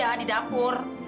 ya ada di dapur